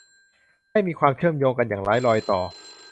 ให้มีความเชื่อมโยงกันอย่างไร้รอยต่อ